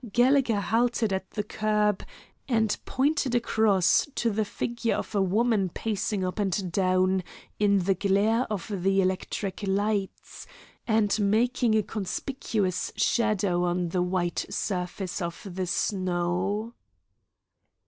Gallegher halted at the curb, and pointed across to the figure of a woman pacing up and down in the glare of the electric lights, and making a conspicuous shadow on the white surface of the snow.